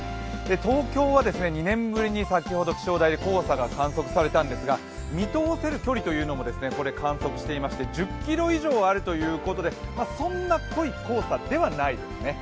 東京は２年ぶりに先ほど、気象台で黄砂が観測されたんですが見通せる距離というのも観測していまして１０ｋｍ以上あるということでそんな濃い黄砂ではないですね。